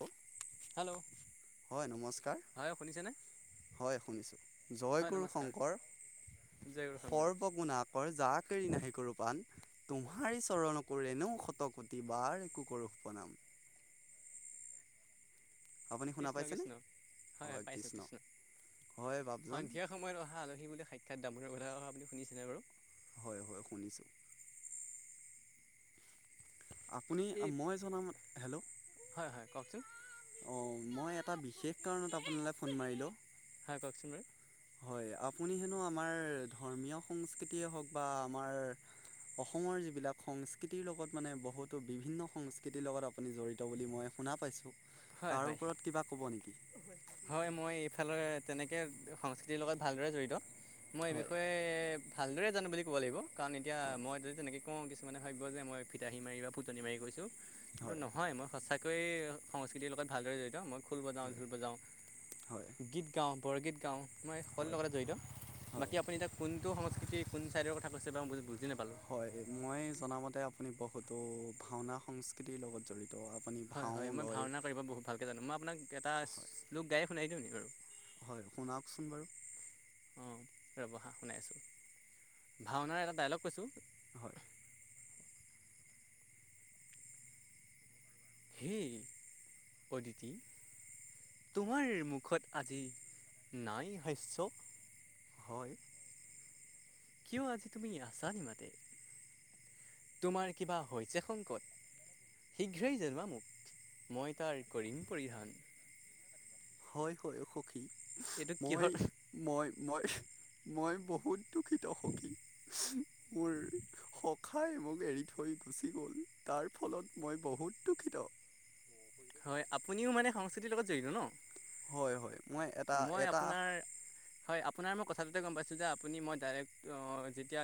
উ হেল্ল' হয় নমস্কাৰ। হয় শুনিছেনে হয় শুনিছোঁ, জয় হয় গুৰু নমস্কাৰ শংকৰ জয় গুৰুশংকৰ সৰ্বগুণাকৰ জাক কেৰি নাহি কৰো পাণ, তোমহাৰি চৰণকো এনেও শতকতি বাৰকো কৰোহো প্ৰনাম, আপুনি শুনা কৃষ্ণ পাইছেনে কৃষ্ণ হয় হয় পাইছো কৃষ্ণ, হয় বাপজন সন্ধিয়া সময়ত অহা আলহী বোলে সাক্ষৎ দামোৰ কথা কথা আপুনি শুনিছেনে বাৰু? হয় হয় শুনিছোঁ। আপুনি এই মই জনামত, হেল্ল' হয় হয় কওক। অঁ মই এটা বিশেষ কাৰণত আপোনালে ফোন মাৰিলো, হয় কওকচোন বাৰু হয় আপ আপুনি হেনো আমাৰ ধৰ্মীয় সংস্কৃতিয়ে হওক বা আমাৰ অসমৰ যিবিলাক সংস্কৃতিৰ লগত মানে বহুতো বিভিন্ন সংস্কৃতিৰ লগত আপুনি জড়িত বুলি মই শুনা পাইছোঁ, হয় তাৰ হয় ওপৰত কিবা ক'ব নিকি? হয় মই এইফালে তেনেকে সংস্কৃতিৰ লগত ভালদৰে জড়িত, মই এই হয়। বিষয়ে ভালদৰে জানো বুলি ক'ব লাগিব, কাৰণ এতিয়া হয়, মই ততি তেনেকৈ কওঁ কিছুমানে ভাবিব যে মই ফিতাহী মাৰি বা ফুটনি মাৰি কৈছো মাৰি কৈছো। কিন্তু হয়, নহয় মই সঁচাকৈয়ে সংস্কৃতিৰ লগত ভালদৰে জড়িত মই খোল বজাওঁ, হয়, ঢোল বজাওঁ, হয়, গীত গাওঁ, বৰগীত গাওঁ, মই স'ৰু হয়, লগতে জড়িত, হয়, বাকী আপুনি এতিয়া কোনটো সংস্কৃতিৰ কোন ছাইডৰ কথা কৈছে বা মই নাপালোঁ হয় মই জনামতে আপুনি বহুতো ভাওনা সংস্কৃতিৰ লগত জড়িত। আপুনি হয় ভাও হয় মই লয়। ভাওনা কৰিব বহুত ভালকে জানো, মই আপোনাক এটা হয়, লোক গায়ে শুনাই দিওঁ নেকি বাৰু? হয় শুনাওকচোন বাৰু। অঁ ৰ'বহা শুনাই আছোঁ, ভাওনাৰ এটা ডাইলগ কৈছোঁ, হয়, হেই অদিতি তোমাৰ মুখত আজি নাই হাইছৱ। হয় কিয় আজি তুমি আছান মাদে, তোমাৰ কিবা হৈছে সংকট, শীঘ্ৰেই জোৱা মই তাৰ কৰিম পৰিধান হয় হয় সখী এইটো মই কিহৰ মই মই মই বহুত দুখিত সখী মোৰ সখাই মোক এৰি থৈ গুচি গল তাৰ ফলত মই বহুত দুখিত উ [inaudible] হয় আপুনিও মানে সংস্কৃতিৰ লগত জড়িত হয়, হয়, মই এটা ন মই এটা আপোনাৰ হয় আপোনাৰ মই কথাটোতে গম পাইছোঁ যে আপুনি মই ডাইৰেক্ট যেতিয়া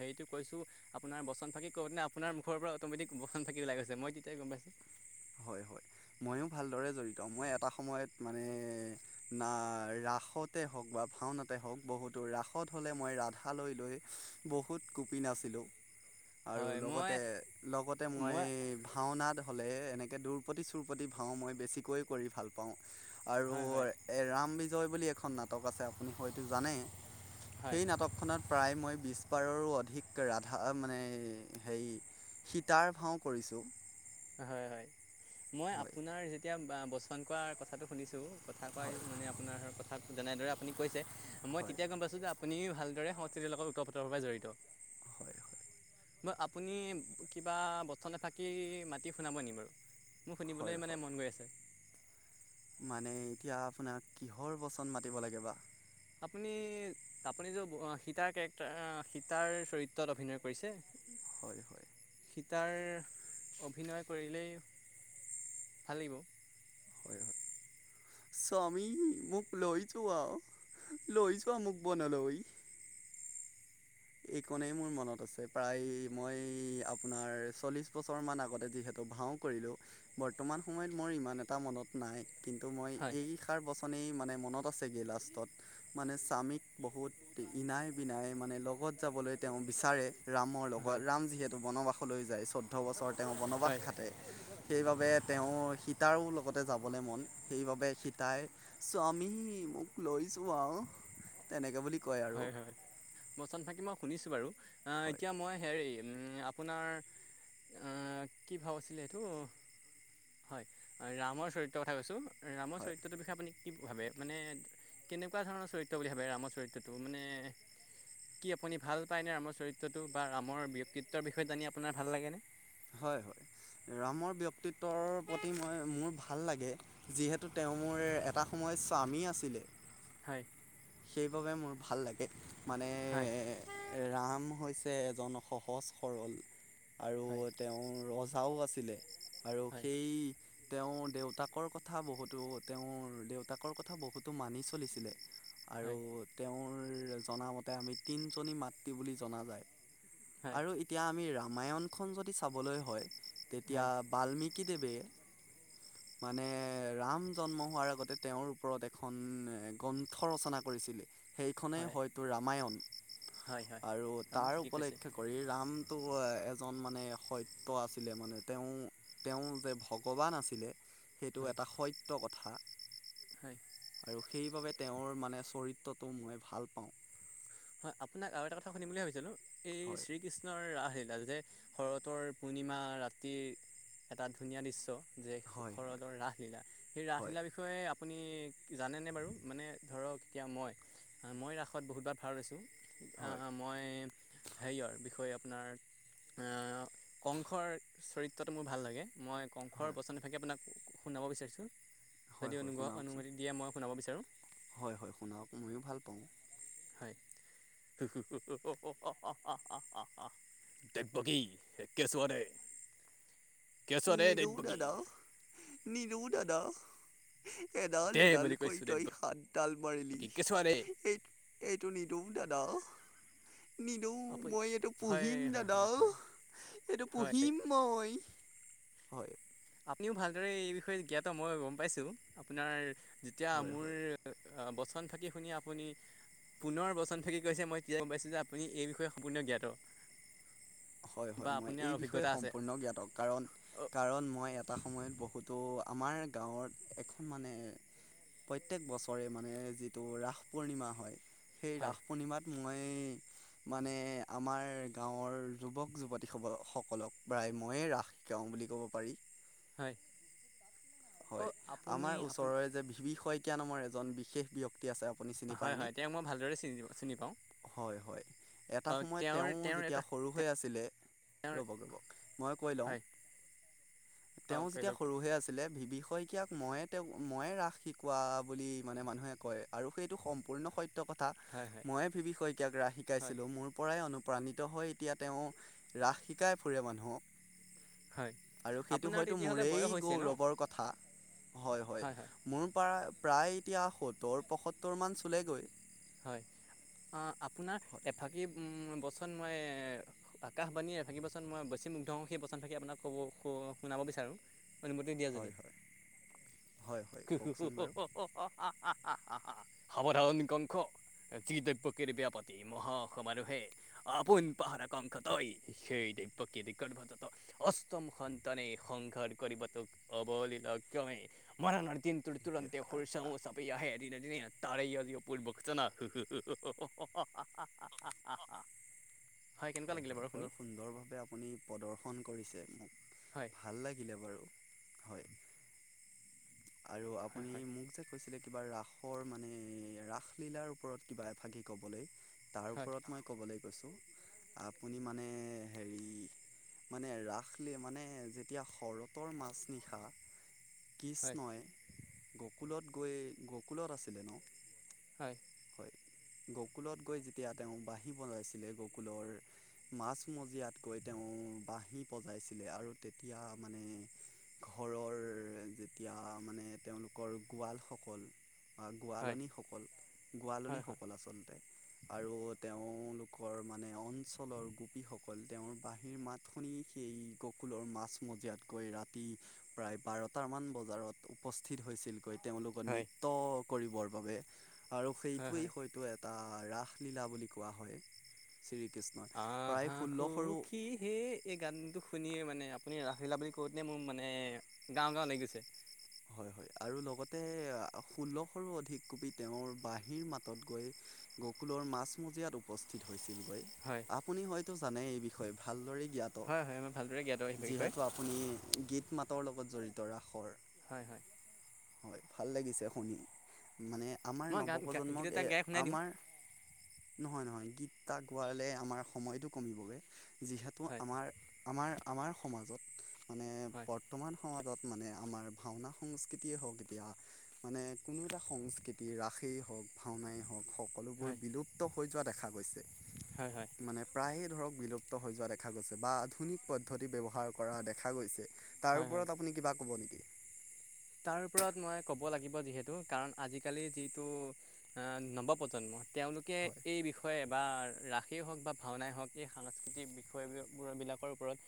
হেৰিটো কৰিছোঁ আপোনাৰ বচন বাকী ক'বনে আপোনাৰ মুখৰ পৰা অট'মেটিক বচন ফাকি ওলাই গৈছে মই তেতিয়াই গম পাইছো হয় হয় ময়ো ভালদৰে জড়িত মই এটা সময়ত মানে না ৰাসতে হওক বা ভাওনতে হওক বহুতো ৰাসত হ'লে মই ৰাধালৈ লৈ বহুত গোপি নাছিলোঁ। আৰু হয় মই লগতে লগতে মই ভাওনা হলে তনেকে দূুৰপতি চুৰপতি ভাওঁ মই বেছিকৈয়ে কৰি ভাল পাওঁ আৰু হয় হয় এ ৰাম বিজয় বুলি এখন নাটক আছে আপুনি হয়তো জানে, হয় সেই নাটকখনত প্ৰায় মই বিছ বাৰৰো অধিক ৰাধা মানে হেৰি সীতাৰ ভাওঁ কৰিছোঁ। হয় হয় মই হয় আপোনাৰ যেতিয়া বচন কোৱা কথাটো শুনিছোঁ কথা কয় হয় মানে আপোনাৰ কথা যেনেদৰে আপুনি কৈছে মই হয় তেতিয়া গম পাইছোঁ যে আপু আপুনি ভালদৰে সংস্কৃতিৰ লগত উত পোত ভাবে জড়িত হয় হয় মই আপুনি কিবা বচন এফাকি মাটি শুনাব নি বাৰু মোৰ হয় শুনিবলৈ মানে হয় মন গৈ আছে মানে এতিয়া আপোনাক কিহৰ বচন মাতিব লাগে বা আপুনি আপুনি যে সীতাৰ কেৰেক্টাৰ সীতাৰ চৰিত্ৰত অভিনয় কৰিছে হয় হয় গীতাৰ অভিনয় কৰিলেই ভাল লাগিব হয় স্বামি মোক লৈ যোৱা লৈ যোৱা মোক বনলৈ এই কণেই মোৰ মনত আছে প্ৰায় মই আপোনাৰ চল্লিশ বছৰ মান আগতে যিহেতু ভাও কৰিলো বৰ্তমান সময়ত মোৰ ইমান এটা মনত নাই কিন্তু মই হয় এইষাৰ বচনেই মানে মনত আছেগৈ লাষ্টত মানে স্বামীক বহুত ইনাই বিনাই মানে লগত যাবলৈ তেওঁ বিচাৰে ৰামৰ লগত হয় ৰাম যিহেতু বনবাস লৈ যায় চৈধ্য বছৰ তেওঁ বনবাস হয় খাটে সেইবাবে তেওঁ সীতাৰো লগতে যাবলৈ মন সেইবাবে সীতাই স্বামী মোক লৈ যোৱা আহ তেনেকে বুলি কয় আৰু হয় হয় বচন ফাকি মই শুনিছো বাৰু অ হয় এতিয়া মই হেৰি আপোনাৰ কি ভাও আছিলে এইটো হয় ৰামৰ চৰিত্ৰৰ কথা কৈছো ৰামৰ হয় চৰিত্ৰটোৰ বিষয়ে আপুনি কি ভাবে মানে কেনেকুৱা ধৰণৰ চৰিত্ৰ বুলি ভাবে ৰামৰ চৰিত্ৰ তটো মানে কি আপুনি ভাল পায়নে ৰামৰ চৰিত্ৰটো বা ৰামৰ ব্যক্তিত্বৰ বিষয়ে জানি আপোনাৰ ভাল লাগেনে হয় হয় ৰামৰ ব্যক্তিত্বৰ প্ৰতি মই মোৰ ভাল লাগে যিহেতু তেওঁ মোৰ এটা সময়ত স্বামী আছিলে হয় সেইবাবে মোৰ ভাল লাগে মানে হয় ৰাম হৈছে এজন সহজ সৰল আৰু হয় তেওঁ ৰজাও আছিলে আৰু হয় সেই তেওঁ দেউতাকৰ কথা বহুতো তেওঁৰ দেউতাকৰ কথা বহুতো মানি চলিছিলে আৰু হয় তেওঁৰ জনামতে আমি তিনিজনী মাতৃ বুলি জনা যায়। হয় আৰু এতিয়া আমি ৰামায়ণখন যদি চাবলৈ হয় তেতিয়া হয় বাল্মীকিক কি দেবে মানে ৰাম জন্ম হোৱাৰ আগতে তেওঁৰ ওপৰত এখন গ্ৰন্থ ৰচনা কৰিছিলে। সেইখনেই হয় হয়তো ৰামায়ণ। হয় হয় আৰু আপুনি তাৰ ঠিকেই কৈছে উপলক্ষে কৰি ৰামটো এজন মানে সত্য আছিলে মানে তেওঁ তেওঁ যে ভগৱান আছিলে সেইটো হয় এটা সত্য কথা। হয় আৰু সেইবাবে তেওঁৰ মানে চৰিত্ৰটো মই ভাল পাওঁ। হয় আপোনাক আৰু এটা কথা শুনিম বুলি ভাবিছিলো এই হয় শ্ৰীকৃষ্ণৰ ৰাসহে যে শৰতৰ পূৰ্ণিমা ৰাতিৰ এটা ধুনীয়া দৃশ্য যে হয় হয় শৰদৰ ৰাসলীলা সেই হয় ৰাসলীলাৰ বিষয়ে আপুনি জানেনে বাৰু মানে ধৰক এতিয়া মই মই ৰাসত বহুতবাৰ ভাড় লৈছোঁ। হয় মই হেৰিৰ বিষয়ে আপোনাৰ কংসৰ চৰিত্ৰটো মোৰ ভাল লাগে। মই কংসৰ হয় বচন এফাকি আপোনাক শুনাব বিচাৰিছোঁ হয় যদি হয় অনু শুনাওকচোন অনুমতি দিয়ে মই শুনাব বিচাৰোঁ। হয় হয় শুনাওক ময়ো ভাল পাওঁ হয়। দৈৱকি কেঁচুৱা দে কেঁচুৱা দে নিদু দেৱকী দাদা নিদু দাদা এডাল দে বুলি এডালকৈ কৈছোঁ তই দেৱকী হাতডাল মাৰিলি কেঁচুৱা দে। এই এইটো নিদু দাদা নিদৌ আপুনি মই এইটো হয় পুহিম হয় দাদা হয় হয় এইটো হয় পুহিম মই হয় আপুনিও ভালদৰে এই বিষয়ে জ্ঞাত মই গম পাইছোঁ। আপোনাৰ যেতিয়া হয় হয় মোৰ বচন ভাকি শুনি আপুনি পুনৰ বচন ফেকি কৈছে মই তেতিয়া গম পাইছোঁ যে আপুনি এই বিষয়ে সম্পূৰ্ণ জ্ঞাত। হয় বা হয় মই আপোনাৰ এই বিষয়ে অভিজ্ঞতা আছে। সম্পূৰ্ণ জ্ঞাতক কাৰণ অ' কাৰণ মই এ এটা সময়ত বহুতো আমাৰ গাঁৱত এখন মানে প্ৰত্যেক বছৰে মানে যিটো ৰাস পূৰ্ণিমা হয়। সেই হয় ৰাস পূৰ্ণিমাত মই মানে আমাৰ গাঁৱৰ যুৱক যুৱতী স সকলক প্ৰায় ময়ে ৰাস শিকাও বুলি ক'ব পাৰি। হয় হয় অ' আপুনি আমাৰ আপুনি ওচৰৰে যে ভিবি শইকীয়া নামৰ এজন বিশেষ ব্যক্তি আছে। আপুনি চিনি হয় পায়নে হয় তেওঁক মই ভালদৰে চিন চিনি পাওঁ। হয় হয় এটা অ সময়ত তেওঁৰ তেওঁ তেওঁৰ যেতিয়া এটা সৰু হৈ আছিলে তেওঁৰ ৰব মই কই লও। হয় অ তেওঁ কৈ যেতিয়া লওক সৰু হৈ আছিলে বিষয়কিয়াক ময়ে তেওঁ ময়ে ৰাস শিকোৱা বুলি মানে মানুহে কয় আৰু সেইটো সম্পূৰ্ণ সত্য কথা হয় হয় মইে ভিবি শইকীয়াক ৰাহ হয় শিকাইছিলো মোৰ পৰাই প্ৰাণিত হৈ এতিয়া তেওঁ ৰাস শিকাই ফুৰে মানুহক। হয় আৰু সেইটো আপোনাৰ হয়তো তেতিয়াহ'লে মোৰেই বয়স হৈছে ন গৌৰৱৰ কথা। হয় হয় মোৰ পৰা। প্ৰায় এতিয়া সত্তৰ পয়সত্তৰমান চুলেগৈ। হয়। আপোনাৰ হয় এফাকি উম বচন মই আকাশবাণীয়ে ভাকি বচন মই বেছিমগ্ধ হওঁ সেই বচন ভাাগি আপোনাক ক'ব শুনাব। বিচাৰো। অনুমতি দিয়ে যদি। হয় হয় হয় হয় উম উম কওকচোন উম বাৰু হা হা হা। হা হা সাবধান কংখ। যি দৈৱকীৰ বিয়াপাতি মহা সমাৰোহে আপোন পাহাৰ কংস তই সেই দ প্ৰকৃতি গৰ্ভত অষ্টম সন্তানে সংঘৰ কৰিবটোক অৱল লক্ষমে মাৰ নদিন ত সেয়া তুৰন্তে খা চপি তাই আহোৰ। পৰি বখছে না কেনেকুৱা হয় লাগিলে হয় বাৰু বৰ শুনি সুন্দৰভাৱে আপুনি প্ৰদৰ্শন কৰিছে মোক হয় ভাল লাগিলে বাৰু। হয় আৰু হয় আপুনি হয় মোক যে কৈছিলে। কিবা ৰাসৰ মানে ৰাস লীলাৰ ওপৰত কিবা এভাগি কবলৈ। তাৰ হয় ওপৰত মই ক'বলৈ কৈছোঁ আপুনি মানে হেৰি। মানে ৰাস ল মানে যেতিয়া শৰতৰ মাছ নিশা। হয় নয় গকুলত গৈ গকুলত আছিলে ন হয়। [unintelligible] গকুলত গৈ যেতিয়া তেওঁ বাঁহি বনাইছিলে গকুলৰ মাজমজিয়াত গৈ তেওঁ। বাঁহী পজাইছিলে আৰু তেতিয়া মানে ঘৰৰ এতিয়া মানে তেওঁলোকৰ গোৱালসকল। আহ হয় গোৱালনী সকল হয় গোৱালনীসকল আচলতে আৰু তেওঁলোকৰ মানে অঞ্চলৰ গোপীসকল তেওঁৰ বাঁহীৰ মাত শুনি সেই ককুলৰ মাছ মজিয়াতকৈ ৰাতি প্ৰায় বাৰট মান বজাত- বজাৰত উপস্থিত হৈছিল গৈ তেওঁলোকক হয় নৃত্য কৰিবৰ বাবে। আৰু হয় সেইটোৱেই হয় হয়তো এটা ৰাসলীলা বুলি কোৱা হয়। শ্ৰীকৃষ্ণই আহ প্ৰায় হা খু ষোল্লশৰো কি হে এই গানটো শুনিয়ে মানে আপুনি ৰাফিলা বুলি কওঁতে মোৰ মানে গাও গাওঁ লাগি গৈছে। হয় হয়। আৰু লগতে ষোল্লশৰো অধিক কবি তেওঁৰ বাঁহীৰ মাতত গৈ গকোলত মাজ মজিয়াত উপস্থিত হৈ ছিল গৈ হয় আপুনি হয় তো জানেই এই বিষয় ভাল দৰে। জ্ঞাত হয় হয় মই ভালদৰে জ্ঞাত সেই বিষয়ে যিহেতু আপুনি গীত মাতৰ লগত জড়িত ৰাসৰ। হয় হয়। হয় ভাল লাগিছে শুনি। মানে আমাৰ মই গান গীত নৱপ্ৰজন্মক এটা এ গাই শুনাই দিওঁ আমাৰ নহয় নহয় গীত তাক গোৱালে আমাৰ সময়টো কমিবগৈ যিহেতু হয় আমাৰ আমাৰ আমাৰ সমাজত মানে হয় বৰ্তমান সমাজত মানে আমাৰ ভাওনা সংস্কৃতিয়ে হওক এতিয়া মানে কোনো এটা সংস্কৃতি ৰাসেই হওক ভাওনাই হওক। সকলোবোৰ হয় বিলুপ্ত হৈ যোৱা দেখা গৈছে হয় হয় মানে প্ৰায়ে ধৰক বিলুপ্ত হৈ যোৱা দেখা গৈছে বা আধুনিক পদ্ধতি ব্যৱহাৰ কৰা দেখা গৈছে। তাৰ হয় হয় ওপৰত আপুনি কিবা কব নেকি? তাৰ ওপৰত মই ক'ব লাগিব যিহেতু কাৰণ আজিকালি যিটো নৱপ্ৰজন্ম। তেওঁলোকে হয় এই বিষয়ে। বা ৰাসেই হওক বা ভাওনাই হওক এই সাংস্কৃতিক বিষয় বিলাকৰ ওপৰত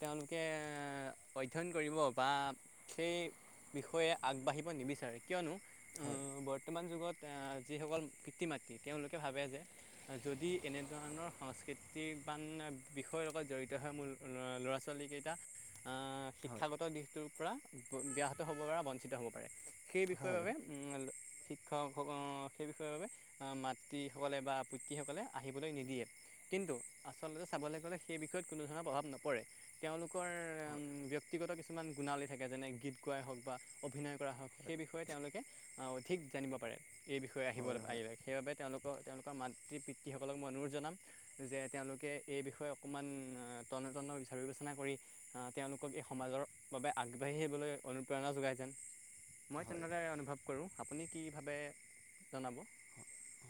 তেওঁলোকে অধ্যয়ন কৰিব বা সেই বিষয়ে আগবাঢ়িব নিবিচাৰে কিয়নো হয় আহ বৰ্তমান যুগত আহ যিসকল। মাতি তেওঁলোকে ভাবে যে যদি এনেধৰণৰ সংস্কৃতিবান বিষয়ৰ লগত জড়িত হৈ মোৰ ল'ৰা ছোৱালীকেইটা আহ হয় শিক্ষাগত দিশটোৰ পৰা হব পৰা বঞ্চিত হব পাৰে সেই বিষয়েৰ হয় বাবে হয় উ শিক্ষক সেই বিষয়ৰ বাবে আহ মাতৃসকলে বা পিতৃ সকলে আহিবলৈ নিদিয়ে কিন্তু আচলতে চাবলৈ গ'লে সেই বিষয়ে কোনো ধৰণৰ প্ৰভাৱ নপৰে, তেওঁলোকৰ হয় ব্যক্তিগত কিছুমান গুণাৱলী থাকে যেনে গীত গুৱায়ে হওক বা অভিনয় কৰা হওক সেই বিষয়ে তেওঁলোকে আহ অধিক জানিব পাৰে এই বিষয়ে আহিব হয় হয় পাৰিলে সেইবাবে তেওঁলোকক তেওঁলোকৰ মাতৃ পিতৃসকলক মই অনুৰোধ জনাম যে তেওঁলোকে এই বিষয়ে অকণমান তনেতন বিচাৰ বিবেচনা কৰি তেওঁলোকক এই সমাজৰ বাবে আগবাঢ়ি আহিবলৈ অনুপ্ৰেৰণা যোগাই যেন, মই হয় তেনেদৰে অনুভৱ কৰোঁ, আপুনি কি ভাবে জনাব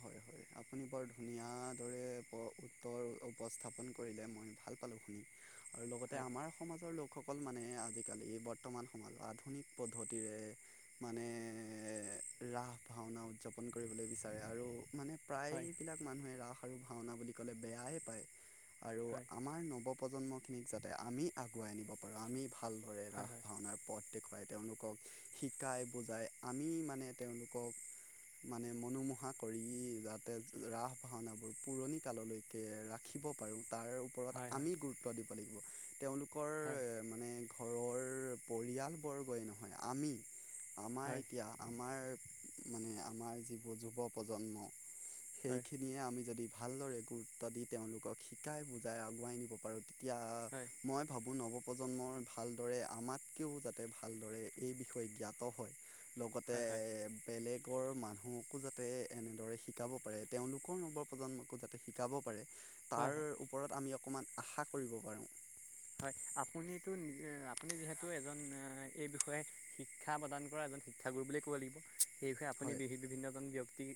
হয় হয় আপুনি বৰ ধুনীয়া দৰে উত্তৰ উপস্থাপন কৰিলে মই ভাল পালো শুনি আৰু লগতে হয় আমাৰ সমাজৰ লোক লোকসকল মানে আজিকালি বৰ্তমান সময়ত আধুনিক পদ্ধতিৰে মানে ৰাস ভাওনা উদযাপন কৰিবলৈ বিচাৰে আৰু মানে হয় প্ৰায়বিলাক মানুহে ৰাস আৰু ভাওনা বুলি ক'লে বেয়াই পায় আৰু হয় আমাৰ নৱ প্ৰজন্মখিনিক যাতে আমি আগুৱাই আ নিব পাৰোঁ আমি ভালদৰে হয় ৰাস হয় ভাওনাৰ পথ দেখুৱাই তেওঁলোকক শিকাই বুজাই আমি মানে তেওঁলোকক মানে মনোমোহা কৰি যাতে ৰাস ভাওনাবোৰ পুৰণি কাললৈকে ৰাখিব পাৰোঁ। তাৰ ওপৰত হয় আমি গুৰুত্ব দিব লাগিব তেওঁলোকক হয় পৰিয়াল বৰ্গই নহয় আমি হয় আমাৰ হয় হয় এতিয়া আমাৰ মানে আমাৰ যিবোৰ যুৱ প্ৰজন্ম হয় সেইখিনিয়ে আমি যদি ভালদৰে গুৰুত্ব দি তেওঁলোকক শিকাই বুজাই আগুৱাই নিব পাৰোঁ। এতিয়া হয় মই ভাবো নৱপ্ৰ প্ৰজন্মৰ ভালদৰে আমাতকেও যাতে ভালদৰে এই বিষয়ে জ্ঞাত হয় লগতে হয় হয় বেলেগৰ মানুহকো যাতে এনেদৰে শ শিকাব পাৰে তেওঁলোকৰ নৱ প্ৰ্জন্মকো যাতে শিকাব পাৰে তাৰ হয় ওপৰত আমি অকণমান আশা কৰিব পাৰোঁ। হয় আপুনিতো আপুনি যিহেতু এজন এই বিষয়ে শিক্ষা প্ৰদান কৰা শিক্ষাগুৰু বুলিয়েই ক'ব লাগিব, সেই বিষয়ে আপুনি হয় বি বিভিন্নজন ব্যক্তিক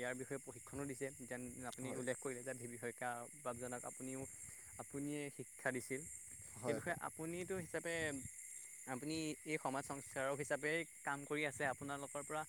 ইয়াৰ বিষয়ে প্ৰশিক্ষণো দিছে যেন আপুনি হয় উল্লেখ কৰিলে যে ধৱ শইকীয়া বাবজনক আপুনিও আপুনিয়ে শিক্ষা দিছিল সেই হয় হয় বিষয়ে আপুনিতো হিচাপে আপুনি এই সমাজ সংস্কাৰক হিচাপে কাম কৰি আছে আপোনালোকৰ পৰা